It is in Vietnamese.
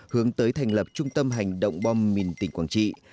hướng tới thành lập trung tâm hành động bom mìn tỉnh quảng trị